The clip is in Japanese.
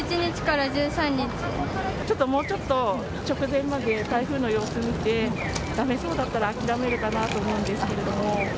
ちょっと、もうちょっと直前まで台風の様子見て、だめそうだったら、諦めるかなと思うんですけども。